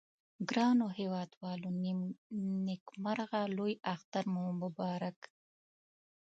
ګرانو هیوادوالو نیکمرغه لوي اختر مو مبارک